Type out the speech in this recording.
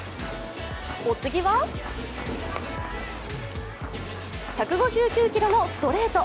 お次は１５９キロのストレート。